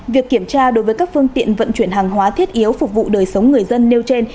việc kiểm tra đối với các phương tiện vận chuyển hàng hóa thiết yếu phục vụ đời sống người dân nêu trên